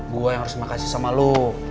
gue yang harus makasih sama lo